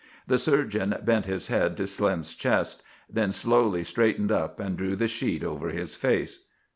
The surgeon bent his head to Slim's breast, then slowly straightened up and drew the sheet over his face.